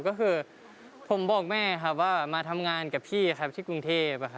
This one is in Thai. ก็คือผมบอกแม่ครับว่ามาทำงานกับพี่ครับที่กรุงเทพ